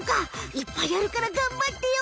いっぱいあるからがんばってよ！